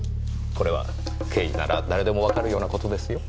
これは刑事なら誰でもわかるような事ですよ。